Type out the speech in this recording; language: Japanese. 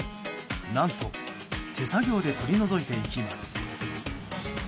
何と、手作業で取り除いていきます。